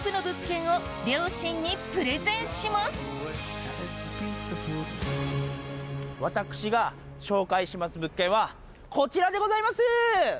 物件はこちらでございます！